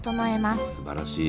すばらしい。